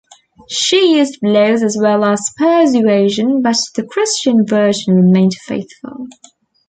She used blows as well as persuasion, but the Christian virgin remained faithful.